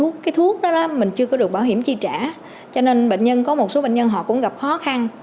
cái thuốc đó mình chưa có được bảo hiểm chi trả cho nên có một số bệnh nhân họ cũng gặp khó khăn